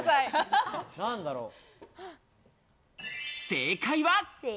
正解は。